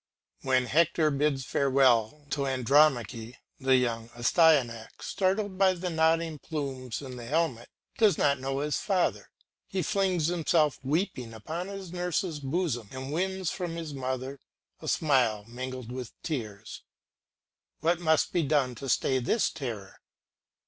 When Hector bids farewell to Andromache, the young Astyanax, startled by the nodding plumes on the helmet, does not know his father; he flings himself weeping upon his nurse's bosom and wins from his mother a smile mingled with tears. What must be done to stay this terror?